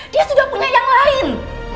dia sudah punya yang lain